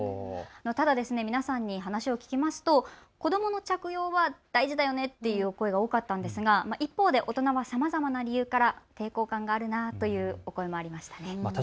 ただ皆さんに話を聞くと子どもの着用は大事だよねっていう声は多かったんですが一方で大人はさまざまな理由から抵抗感のあるという声が多い印象でした。